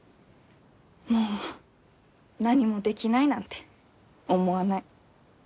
もう何もできないなんて思わない。